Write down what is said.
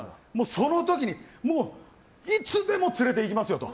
その時にいつでも連れていきますよと。